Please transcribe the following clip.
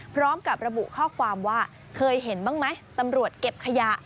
พร้อมกับระบุข้อความว่าเคยเห็นบ้างไหมตำรวจเก็บขยะ